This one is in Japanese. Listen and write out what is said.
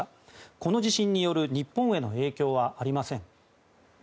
この地震による日本への影響はありません。